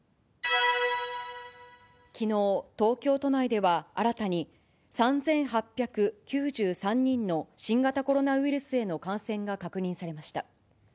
きのう、東京都内では新たに３８９３人の新型コロナウイルスへの感染が確認されました。